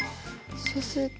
そうすると